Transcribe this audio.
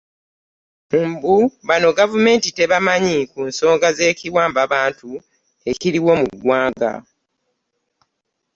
Mbu bano gavumenti tebamanyi ku nsonga z'ekiwamba bantu ekiriwo mu ggwanga.